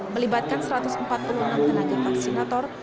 melibatkan satu ratus empat puluh enam tenaga vaksinator